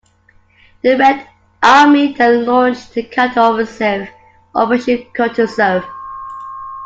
The Red Army then launched a counter-offensive, Operation Kutuzov.